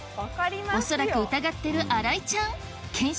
恐らく疑ってる新井ちゃん検証